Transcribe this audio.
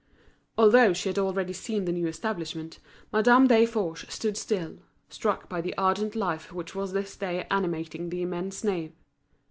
Although she had already seen the new establishment, Madame Desforges stood still, struck by the ardent life which was this day animating the immense nave.